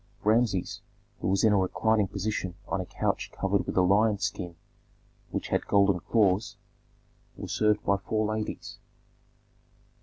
Rameses, who was in a reclining position on a couch covered with a lion's skin which had golden claws, was served by four ladies.